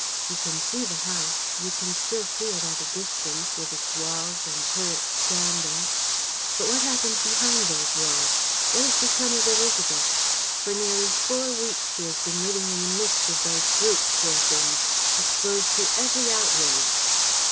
You can see the house, you can still see it at a distance, with its walls and turrets standing. But what happened behind those walls? What has become of Élisabeth? For nearly four weeks she has been living in the midst of those brutes, poor thing, exposed to every outrage!